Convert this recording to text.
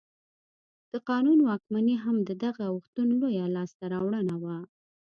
د قانون واکمني هم د دغه اوښتون لویه لاسته راوړنه وه.